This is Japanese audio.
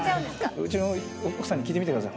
うちの奥さんに聞いてみてください。